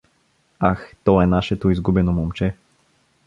— Ах, то е нашето изгубено момче!